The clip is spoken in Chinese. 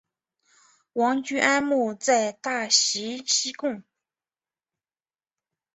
王居安墓在大溪西贡。